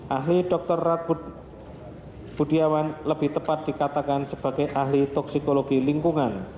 ahli dr rat budiawan lebih tepat dikatakan sebagai ahli toksikologi lingkungan